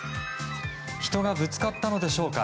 人がぶつかったのでしょうか